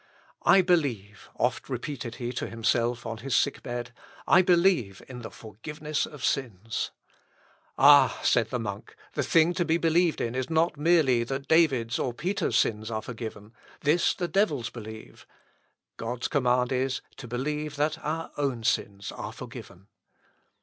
"I believe," oft repeated he to himself on his sick bed, "I believe in the forgiveness of sins." "Ah!" said the monk, "the thing to be believed is not merely that David's or Peter's sins are forgiven; this the devils believe: God's command is, to believe that our own sins are forgiven."